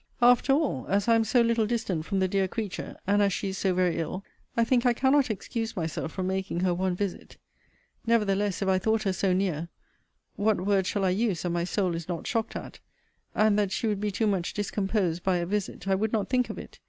After all, as I am so little distant from the dear creature, and as she is so very ill, I think I cannot excuse myself from making her one visit. Nevertheless, if I thought her so near [what word shall I use, that my soul is not shocked at!] and that she would be too much discomposed by a visit, I would not think of it.